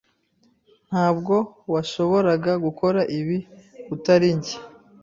Ntabwo washoboraga gukora ibi utari njye.